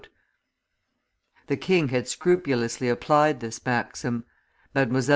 The king had scrupulously applied this maxim; Mdlle.